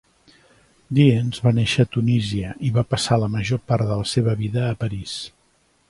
Dyens va néixer a Tunisia i va passar la major part de la seva vida a París.